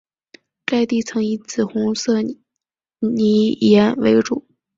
该地层以紫红色泥岩为主。